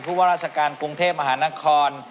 ภูวะราชการกรุงเทพหมานคร